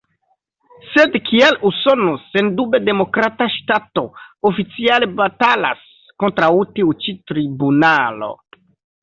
Sed kial Usono, sendube demokrata ŝtato, oficiale batalas kontraŭ tiu ĉi tribunalo?